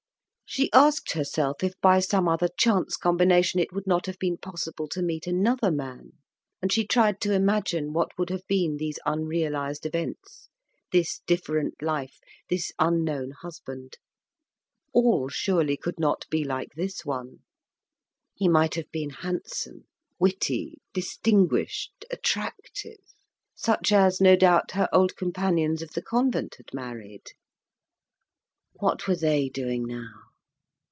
She asked herself if by some other chance combination it would have not been possible to meet another man; and she tried to imagine what would have been these unrealised events, this different life, this unknown husband. All, surely, could not be like this one. He might have been handsome, witty, distinguished, attractive, such as, no doubt, her old companions of the convent had married. What were they doing now?